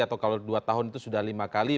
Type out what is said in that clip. atau kalau dua tahun itu sudah lima kali